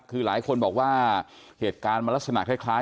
คือหลายคนบอกว่าเหตุการณ์มันลักษณะคล้าย